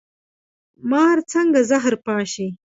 مار څنګه زهر پاشي؟